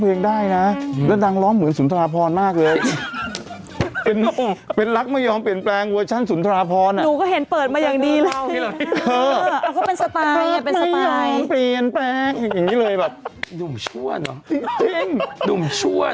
มันไม่ว่ามันไม่ว่างจริงแล้วก็ไปเทนะ